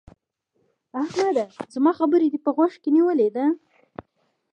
احمده! زما خبره دې په غوږو کې نيولې ده؟